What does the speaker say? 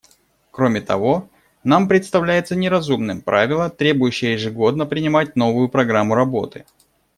Кроме того, нам представляется неразумным правило, требующее ежегодно принимать новую программу работы.